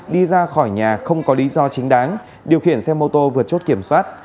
đi ra khỏi nhà không có lý do chính đáng điều khiển xe mô tô vượt chốt kiểm soát